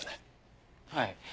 はい。